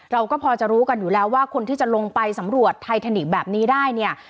เราก็พอจะรู้กันอยู่แล้วว่าคนที่จะลงไปสำรวจไททานิกแบบนี้ได้เนี่ย